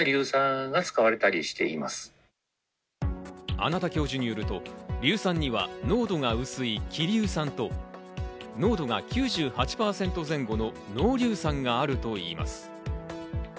穴田教授によると、硫酸には濃度が薄い希硫酸と、濃度が９８％前後の濃硫酸があるといいます。